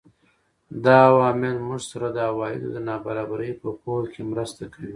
دا عوامل موږ سره د عوایدو د نابرابرۍ په پوهه کې مرسته کوي